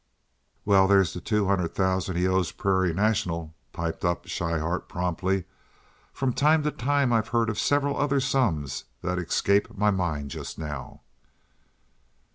"Well, there's the two hundred thousand he owes the Prairie National," piped up Schrybart, promptly. "From time to time I've heard of several other sums that escape my mind just now."